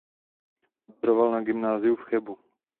Maturoval na gymnáziu v Chebu.